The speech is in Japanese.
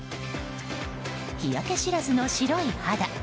日焼けしらずの白い肌。